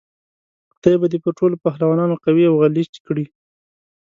خدای به دې پر ټولو پهلوانانو قوي او غلیچ کړي.